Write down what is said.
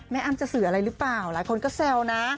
อ้ำจะสื่ออะไรหรือเปล่าหลายคนก็แซวนะ